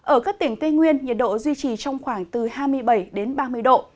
ở các tỉnh tây nguyên nhiệt độ duy trì trong khoảng từ hai mươi bảy đến ba mươi độ